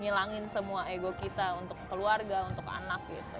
ngilangin semua ego kita untuk keluarga untuk anak gitu